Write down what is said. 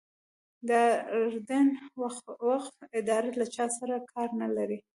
د اردن وقف اداره له چا سره کار نه لري.